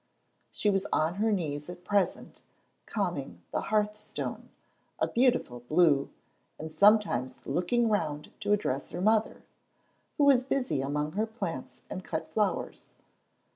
She was on her knees at present ca'ming the hearth stone a beautiful blue, and sometimes looking round to address her mother, who was busy among her plants and cut flowers.